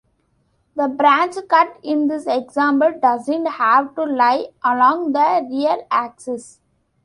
The branch cut in this example doesn't have to lie along the real axis.